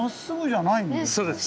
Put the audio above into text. そうです。